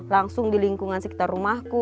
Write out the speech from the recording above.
langsung di lingkungan sekitar rumahku